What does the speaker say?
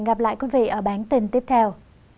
hẹn gặp lại quý vị ở bản tin tiếp theo